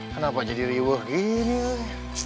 kenapa jadi riwuh gini mak